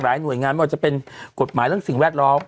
หน่วยงานไม่ว่าจะเป็นกฎหมายเรื่องสิ่งแวดล้อม